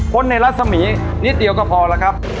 คนในรัศมีนิดเดียวก็พอแล้วครับ